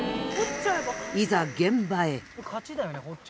いざ現場へ。